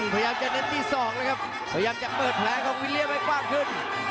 พยายามจะเน้นที่ศอกเลยครับพยายามจะเปิดแผลของวิลเลียไว้กว้างขึ้น